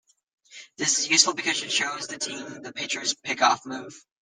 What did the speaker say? This is useful because it shows the team the pitcher's pick-off move.